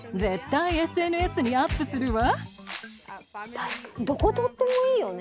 確かにどこ撮ってもいいよね。